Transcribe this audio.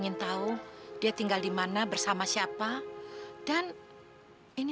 tidak ada yang bisa mencari teman lain